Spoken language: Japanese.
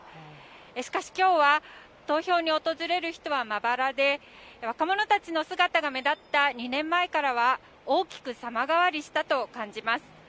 しかし、きょうは投票に訪れる人は、まばらで若者たちの姿が目立った２年前からは大きく様変わりしたと感じます。